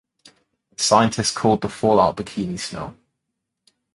The scientists called the fallout Bikini snow.